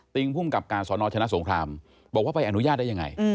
ภูมิกับการสนชนะสงครามบอกว่าไปอนุญาตได้ยังไง